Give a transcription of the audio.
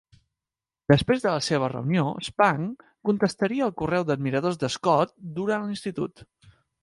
Després de la seva reunió, Spang contestaria el correu d'admiradors de Scott durant l'institut.